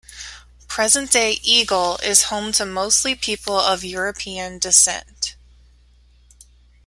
Present-day Eagle is home to mostly people of European descent.